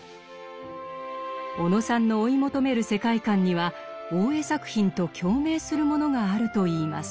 小野さんの追い求める世界観には大江作品と共鳴するものがあるといいます。